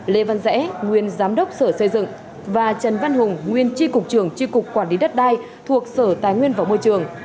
lê văn rẽ nguyên giám đốc sở xây dựng và trần văn hùng nguyên tri cục trường tri cục quản lý đất đai thuộc sở tài nguyên và môi trường